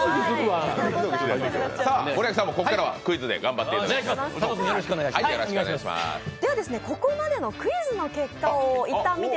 森脇さんもここからはクイズで頑張ってもらって。